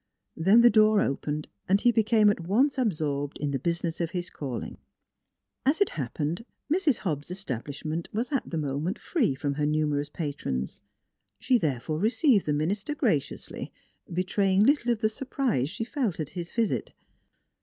Then the door opened and he became at once absorbed in the business of his calling. As it happened, Mrs. Hobbs' establishment was at the moment free from her numerous patrons. She therefore received the minister graciously, betraying little of the surprise she felt at his visit.